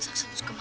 tuhan sila suami